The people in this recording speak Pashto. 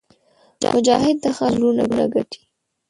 مجاهد د خلکو زړونه ګټي.